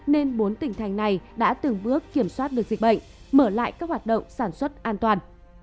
nên bốn tỉnh thành này đã từng bước kiểm soát được dịch bệnh mở lại các hoạt động sản xuất an toàn